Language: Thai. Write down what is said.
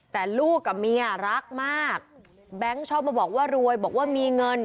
แต่ลูกกับเมียรักมากแบงค์ชอบมาบอกว่ารวยบอกว่ามีเงิน